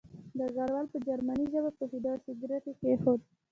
ډګروال په جرمني ژبه پوهېده او سګرټ یې کېښود